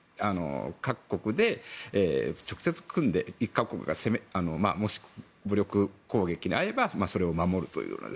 各国で直接組んで１か国がもし武力攻撃に遭えばそれを守るというような。